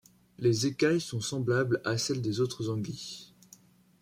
Les écailles sont semblables à celles des autres anguilles.